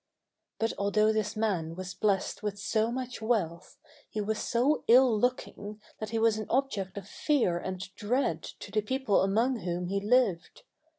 But although this man was blessed with so much wealth, he was so ill looking that he was an object of fear and dread to the people among whom he lived.